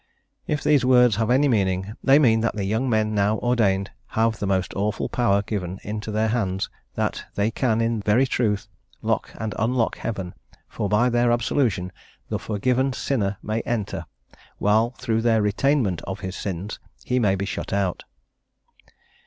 If these words have any meaning, they mean that the young men now ordained have the most awful power given into their hands, that they can, in very truth, lock and unlock heaven, for by their absolution the forgiven sinner may enter, while through their retainment of his sins he may be shut out.